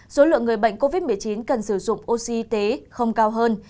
số lượng người bệnh covid một mươi chín cần sử dụng oxy y tế không cao hơn